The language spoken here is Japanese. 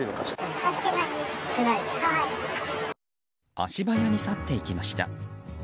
足早に去っていきました。